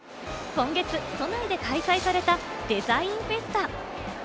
今月、都内で開催されたデザインフェスタ。